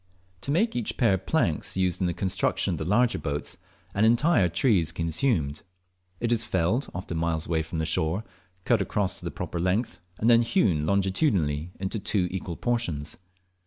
To make each pair of planks used in the construction of the larger boats an entire tree is consumed. It is felled, often miles away from the shore, cut across to the proper length, and then hewn longitudinally into two equal portions.